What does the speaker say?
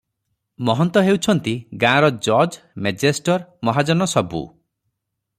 ମହନ୍ତ ହେଉଛନ୍ତି ଗାଁର ଜଜ୍, ମେଜେଷ୍ଟର, ମହାଜନ ସବୁ ।